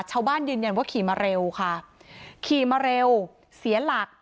ชาวบ้านยืนยันว่าขี่มาเร็วค่ะขี่มาเร็วเสียหลัก